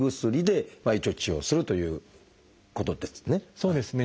そうですね。